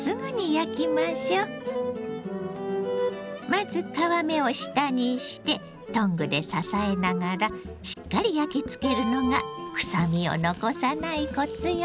まず皮目を下にしてトングで支えながらしっかり焼きつけるのがくさみを残さないコツよ。